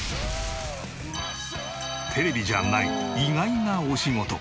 テレビじゃない意外なお仕事。